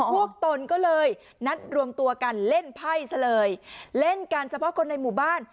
ตนก็เลยนัดรวมตัวกันเล่นไพ่ซะเลยเล่นกันเฉพาะคนในหมู่บ้าน